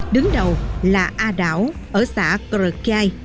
đứng đầu là a đảo ở xã korkai